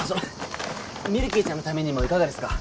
ミルキーちゃんのためにもいかがですか？